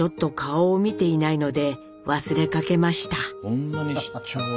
そんなに出張が。